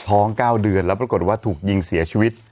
ท้อง๙เดือนแล้วปรากฏว่าถูกยิงเสียชีวิต